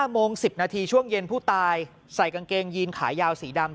โมง๑๐นาทีช่วงเย็นผู้ตายใส่กางเกงยีนขายาวสีดำ